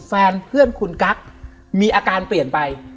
แฟนเพื่อนคุณกั๊กมีอาการเปลี่ยนไป